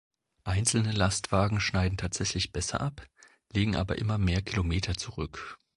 Einzelne Lastwagen schneiden tatsächlich besser ab, legen aber immer mehr Kilometer zurück.